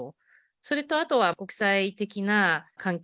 それと、あとは国際的な関係。